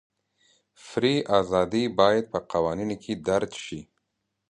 فري ازادۍ باید په قوانینو کې درج شي.